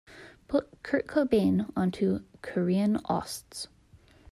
Put Kurt Cobain onto korean osts.